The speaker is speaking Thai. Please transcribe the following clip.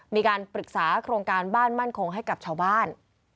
มีการปรึกษาโครงการบ้านมั่นคงให้กับชาวบ้าน